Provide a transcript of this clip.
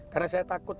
karena saya takut